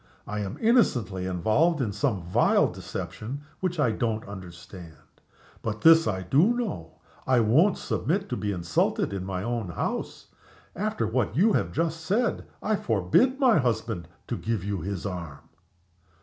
I am innocently involved in some vile deception which I don't understand. But this I do know I won't submit to be insulted in my own house. After what you have just said I forbid my husband to give you his arm."